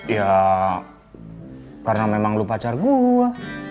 ya karena memang lu pacar gue